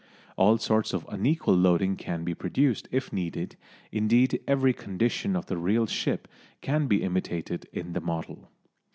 All sorts of unequal loading can be produced if needed, indeed every condition of the real ship can be imitated in the model.